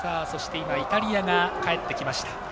イタリアが帰ってきました。